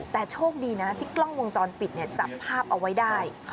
แต่โชคดีนะที่กล้องวงจรปิดจับภาพเอาไว้ได้